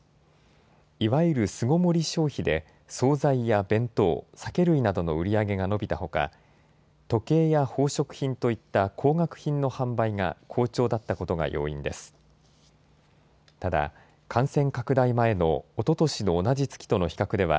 いわゆる巣ごもり消費で総菜や弁当、酒類などの売り上げが伸びたほか、時計や宝飾品といった高額品の販売が好調だったことが要因です。